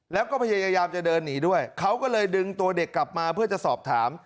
แล้วก็พยายามจะเดินหนีด้วยเขาก็เลยดึงตัวเด็กกลับมาเพื่อจะสอบถาม